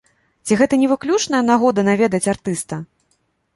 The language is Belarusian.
Ці гэта не выключная нагода наведаць артыста?